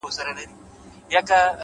هر منزل له ثابت قدمۍ ترلاسه کېږي؛